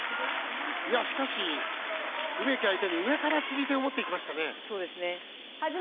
しかし、梅木相手に上から釣り手を持っていきました。